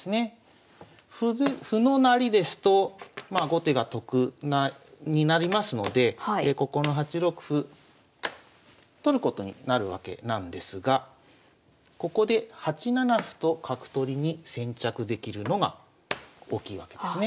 歩の成りですとまあ後手が得になりますのでここの８六歩取ることになるわけなんですがここで８七歩と角取りに先着できるのが大きいわけですね。